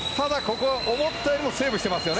思ったよりセーブしてますね。